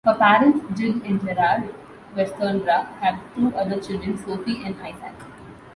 Her parents, Jill and Gerald Westenra, have two other children, Sophie and Isaac.